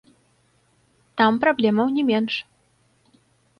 Там праблемаў не менш.